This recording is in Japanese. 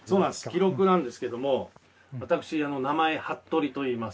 記録なんですけども私名前服部といいます。